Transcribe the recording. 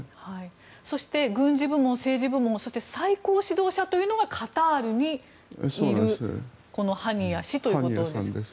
そして、軍事部門政治部門そして、最高指導者というのがカタールにいるこのハニヤ氏ということです。